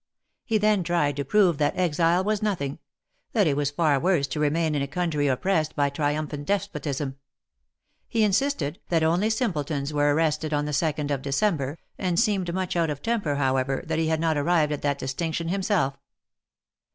He then tried to prove that exile was nothing ; that it was far worse to remain in a country oppressed by trium phant Despotism. He insisted, that only simpletons were arrested on the Second of December, and seemed much out of temper, however, that he had not arrived at that distinction himself.